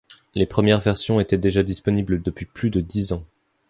Les premières versions étaient déjà disponibles depuis plus de dix ans.